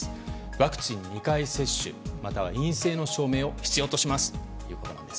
ワクチン２回接種または陰性の証明を必要としますということです。